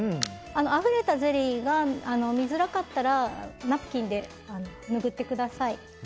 あふれたゼリーが見づらかったらナプキンで拭ってください。